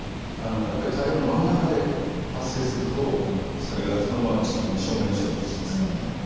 やっぱり太陽の真ん中で発生するとそれがそのまま地球に正面衝突しますからね。